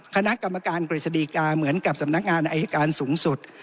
คณะกรรมการกฤษฎีกาเหมือนกับสำนักงานอายการสูงสุด